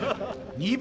２秒。